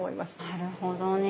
なるほどね。